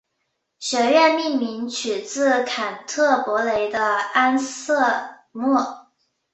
学院命名取自坎特伯雷的安瑟莫。